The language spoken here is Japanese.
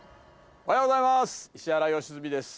おはようございます！